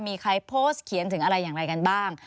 มีใครโพสต์เขียนถึงอะไรอย่างไรกันบ้าง